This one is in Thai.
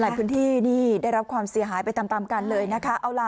พื้นที่นี่ได้รับความเสียหายไปตามตามกันเลยนะคะ